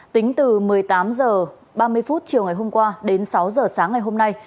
tính từ một mươi tám h ba mươi chiều ngày hôm qua đến sáu h sáng ngày hôm nay